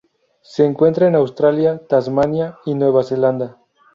Se encuentra en Australia, Tasmania y Nueva Zelanda.